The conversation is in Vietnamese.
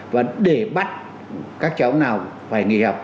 và để bắt các cháu nào phải nghỉ học